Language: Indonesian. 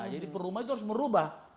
jadi per rumah itu harus merubah